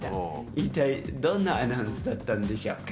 一体どんなアナウンスだったんでしょうか？